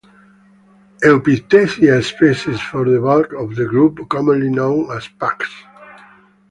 "Eupithecia" species form the bulk of the group commonly known as pugs.